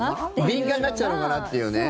敏感になっちゃうのかなっていうね。